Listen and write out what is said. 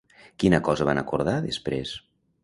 Quina cosa van acordar després?